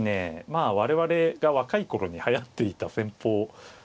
まあ我々が若い頃にはやっていた戦法ですね。